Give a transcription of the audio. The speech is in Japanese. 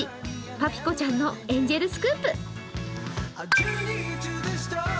パピコちゃんのエンジェルスクープ。